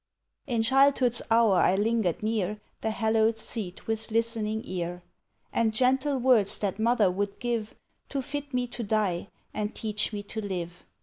In childhood's hour I lingered near The hallowed seat with listening ear; And gentle words that mother would give, To fit me to die and teach me to live.